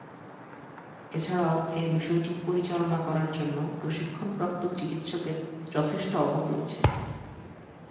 এছাড়া এ বিষয়টি পরিচালনা করার জন্য প্রশিক্ষণপ্রাপ্ত চিকিৎসকের যথেষ্ট অভাব রয়েছে।